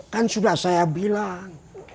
kan sudah saya bilang